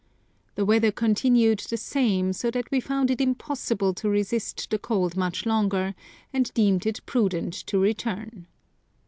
The weather continued the same, so that we found it impossible to resist the cold much longer, and deemed it prudent to return.